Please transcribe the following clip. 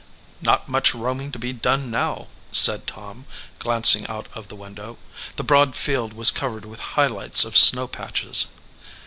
"Not much roaming to be done now/ said Tom, glancing out of the window. The broad field was covered with high lights of snow patches.